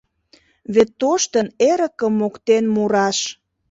Вет тоштын Эрыкым моктен мураш